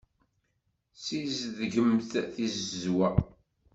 Ssizedgemt tizewwa.